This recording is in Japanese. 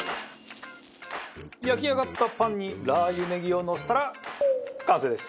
焼きあがったパンにラー油ネギをのせたら完成です。